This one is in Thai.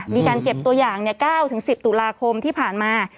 มีการเก็บตัวอย่าง๙๑๐ตุลาคมที่ผ่านมา